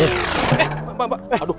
eh mbak mbak aduh